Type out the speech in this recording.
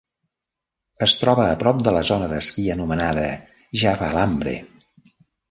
Es troba a prop de la zona d'esquí anomenada Javalambre.